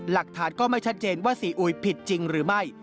หลักฐานก็ไม่ชัดเจนว่าซีอุยผิดจริงหรือไม่